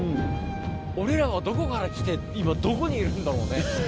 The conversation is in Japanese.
俺らはどこから来て今どこにいるんだろうね。